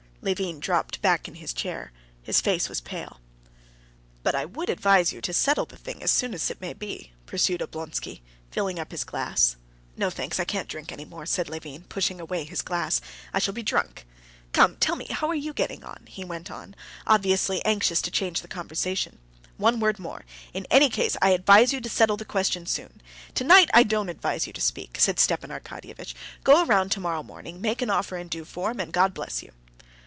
Levin dropped back in his chair; his face was pale. "But I would advise you to settle the thing as soon as may be," pursued Oblonsky, filling up his glass. "No, thanks, I can't drink any more," said Levin, pushing away his glass. "I shall be drunk.... Come, tell me how are you getting on?" he went on, obviously anxious to change the conversation. "One word more: in any case I advise you to settle the question soon. Tonight I don't advise you to speak," said Stepan Arkadyevitch. "Go round tomorrow morning, make an offer in due form, and God bless you...."